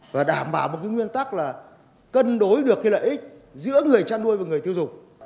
và đảm bảo một cái nguyên tắc là cân đối được cái lợi ích giữa người chăn nuôi và người tiêu dùng